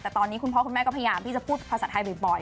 แต่ตอนนี้คุณพ่อคุณแม่ก็พยายามที่จะพูดภาษาไทยบ่อย